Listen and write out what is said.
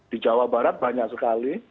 di jawa barat banyak sekali